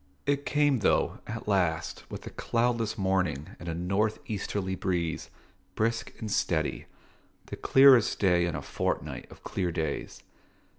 It came, though, at last, with a cloudless morning and a north easterly breeze, brisk and steady, the clearest day in a fortnight of clear days.